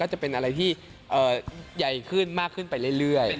จะเป็นอะไรที่ใหญ่ขึ้นมากขึ้นไปเรื่อย